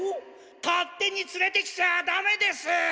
勝手に連れてきちゃダメです！